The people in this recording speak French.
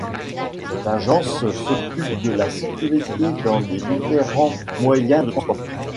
Cette agence s'occupe de la sécurité dans les différents moyens de transports.